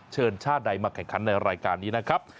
เชิญชาติใดมาแข่งขันในรายการนี้นะครับ